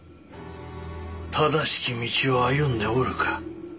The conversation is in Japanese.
正しき道を歩んでおるか？